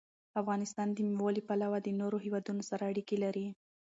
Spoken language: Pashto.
افغانستان د مېوو له پلوه له نورو هېوادونو سره اړیکې لري.